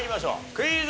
クイズ。